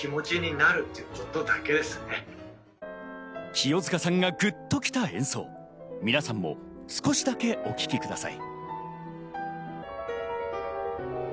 清塚さんがグッときた演奏、皆さんも少しだけお聴きください。